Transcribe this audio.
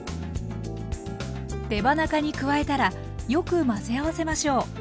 手羽中に加えたらよく混ぜ合わせましょう。